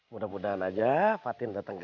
mudah mudahan aja patin datang